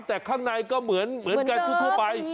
แต่ข้างในก็เหมือนกันทั่วไป